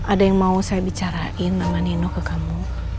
ada yang mau saya bicarain sama nino ke kamu